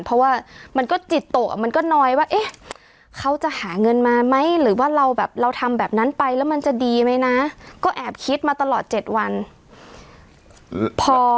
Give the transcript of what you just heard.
เพราะว่ามันก็จิตโตะมันก็น้อยว่าเอ๊ะเขาจะหาเงินมาไหมหรือว่าเราแบบเราทำแบบนั้นไปแล้วมันจะดีไหมนะก็แอบคิดมาตลอด๗วันพอ